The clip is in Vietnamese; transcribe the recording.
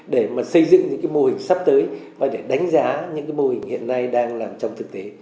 để mà xây dựng những cái mô hình sắp tới và để đánh giá những cái mô hình hiện nay đang làm trong thực tế